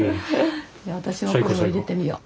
私もこれを入れてみよう。